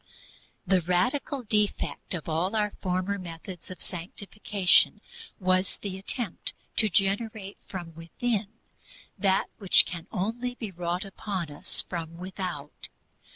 The radical defect of all our former methods of sanctification was the attempt to generate from within that which can only be wrought upon us from without.